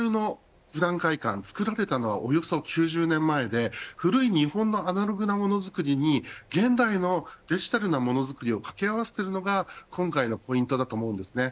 オリジナルの九段会館が作られたのはおよそ９０年前で古い日本のアナログなものづくりに現代のデジタルのものづくりを掛け合わせているのが今回のポイントだと思います。